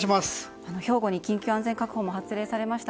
兵庫に緊急安全確保も発令されました